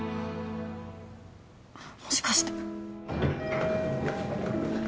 もしかして！